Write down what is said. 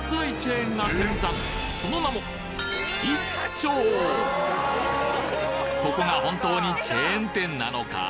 その名もここが本当にチェーン店なのか？